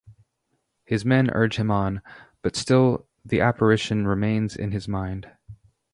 His men urge him on, but still the apparition remains in his mind.